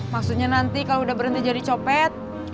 maksudnya nanti kalau udah berhenti jadi copet